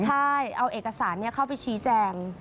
ใช่เอาเอกสารเข้าไปชี้แจง